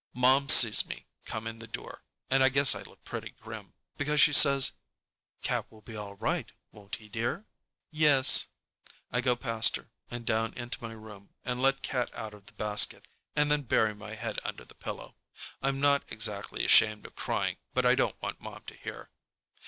Mom sees me come in the door, and I guess I look pretty grim, because she says, "Cat will be all right, won't he, dear?" "Yes." I go past her and down into my room and let Cat out of the basket and then bury my head under the pillow. I'm not exactly ashamed of crying, but I don't want Mom to hear.